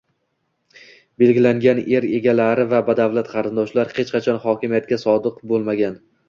Belgilangan er egalari va badavlat qarindoshlar hech qachon hokimiyatga sodiq bo'lmagan